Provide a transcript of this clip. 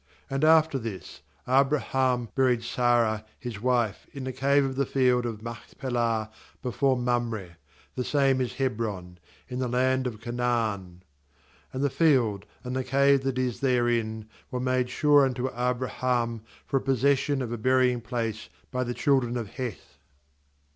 18And after this, Abraham buried Santh his wife in the cave of the field of Marhpelah before Mamre — the same is Hebron— in the land of Canaan. 20And the field, and the cave that is therein, were made sure unto Abraham for a possession of a burying place by the children of Hcth.